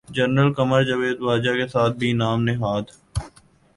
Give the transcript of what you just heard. general Qamar Javed Bajwa کے ساتھ بھی نام نہاد